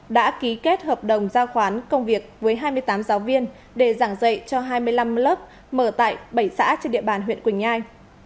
đã ký kết hợp đồng giao khoán công việc với hai mươi tám giáo viên để giảng dạy cho hai mươi năm lớp mở tại bảy xã trên địa bàn huyện quỳnh nhai